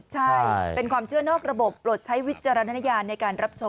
ใช่เป็นความเชื่อนอกระบบโปรดใช้วิจารณญาณในการรับชม